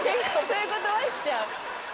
そういうことはしちゃう。